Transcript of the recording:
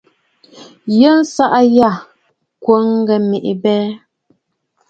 Yɛ̀ʼɛ̀ ntsaʼà jya ŋkwòŋ ŋghɛ mèʼê abɛɛ.